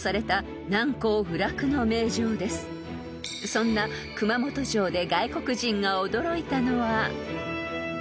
［そんな熊本城で］